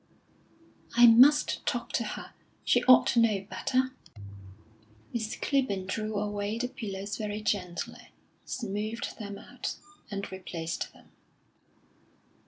"I must talk to her; she ought to know better." Miss Clibborn drew away the pillows very gently, smoothed them out, and replaced them.